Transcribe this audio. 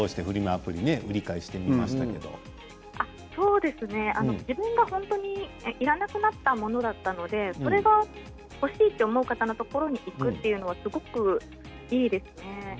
アプリ自分が本当にいらなくなったものだったのでそれが欲しいと思う方のところにいくというのはすごくいいですね。